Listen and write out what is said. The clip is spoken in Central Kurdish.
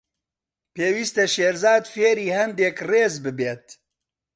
پێویستە شێرزاد فێری هەندێک ڕێز بێت.